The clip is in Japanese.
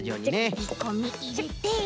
きりこみいれて。